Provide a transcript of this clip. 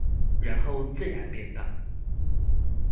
然後自然變大